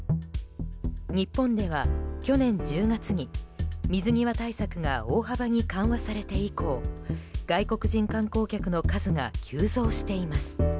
日本では去年１０月に水際対策が大幅に緩和されて以降外国人観光客の数が急増しています。